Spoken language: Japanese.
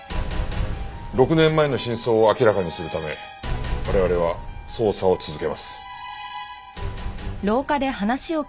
６年前の真相を明らかにするため我々は捜査を続けます。